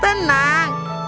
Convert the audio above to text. tenang temukan franz dulu